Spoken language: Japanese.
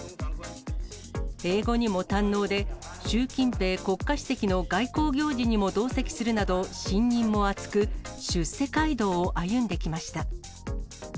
英語にも堪能で、習近平国家主席の外交行事にも同席するなど、信任も厚く、出世街道を歩んできました。